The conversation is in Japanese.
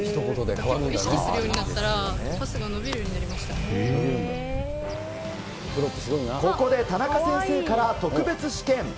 意識するようになったら、ここで田中先生から特別試験。